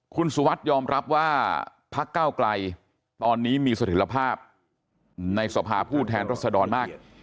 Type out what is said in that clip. คุณสุวัสดิยอมรับว่าพักเก้าไกลตอนนี้มีสถิตภาพในสภาผู้แทนรัศดรมาก